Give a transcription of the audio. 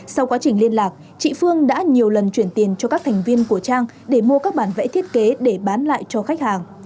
sau quá trình liên lạc chị phương đã nhiều lần chuyển tiền cho các thành viên của trang để mua các bản vẽ thiết kế để bán lại cho khách hàng